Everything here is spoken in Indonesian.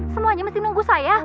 semuanya mesti nunggu saya